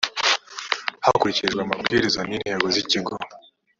hakurikijwe amabwiriza n intego z ikigo